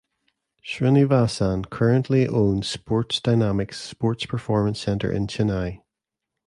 Srinivasan currently owns Sports Dynamix sports performance centre in Chennai.